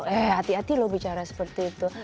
eh hati hati loh bicara seperti itu